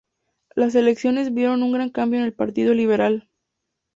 Las elecciones vieron un gran cambio en el Partido Liberal.